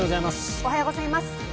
おはようございます。